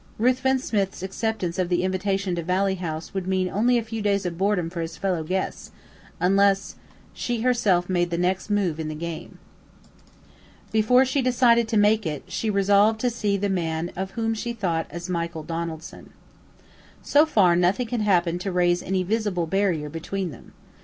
Ruthven Smith's acceptance of the invitation to Valley House would mean only a few days of boredom for his fellow guests, unless she herself made the next move in the game. Before she decided to make it, she resolved to see the man of whom she thought as Michael Donaldson. So far nothing had happened to raise any visible barrier between them.